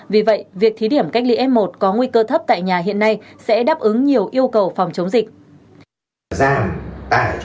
vì vậy việc thí điểm cách ly f một có nguy cơ thấp tại nhà hiện nay sẽ đáp ứng nhiều yêu cầu phòng chống dịch